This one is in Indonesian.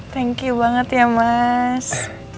thank you banget ya mas